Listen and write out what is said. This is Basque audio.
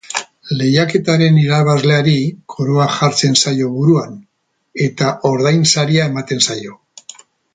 Lehiaketaren irabazleari koroa jartzen zaio buruan eta ordainsaria ematen zaio.